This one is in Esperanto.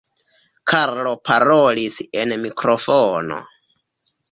Karlo parolis en mikrofono.